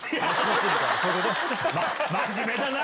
真面目だな！